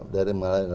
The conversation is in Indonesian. dari malam ini